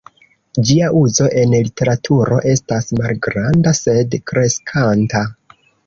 Ĝia uzo en literaturo estas malgranda sed kreskanta.